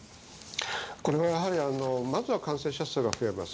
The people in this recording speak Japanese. これはまずは感染者数が増えます。